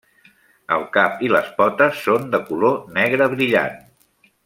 El cap i les potes són de color negre brillant.